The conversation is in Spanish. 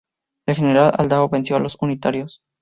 El general Aldao venció a los unitarios.